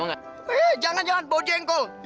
eh jangan jangan bau jengkol